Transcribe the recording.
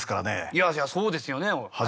いやいやそうですよね。